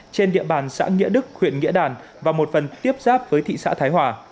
trên địa bàn xã nghĩa đức huyện nghĩa đàn và một phần tiếp giáp với thị xã thái hòa